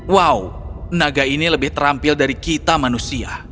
wow naga ini lebih terampil dari kita manusia